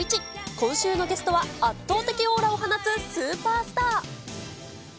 今週のゲストは、圧倒的オーラを放つスーパースター。